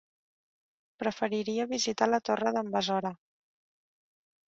Preferiria visitar la Torre d'en Besora.